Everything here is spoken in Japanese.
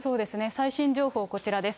最新情報、こちらです。